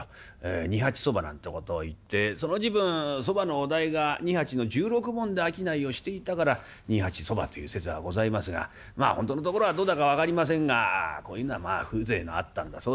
二八そばなんて事をいってその時分そばのお代が二八の１６文で商いをしていたから二八そばという説がございますがまあ本当のところはどうだか分かりませんがこういうようなまあ風情があったんだそうでございまして。